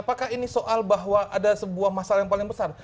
apakah ini soal bahwa ada sebuah masalah yang paling besar